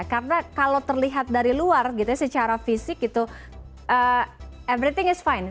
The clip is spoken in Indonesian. karena kalau terlihat dari luar gitu secara fisik itu everything is fine